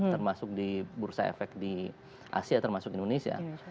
termasuk di bursa efek di asia termasuk indonesia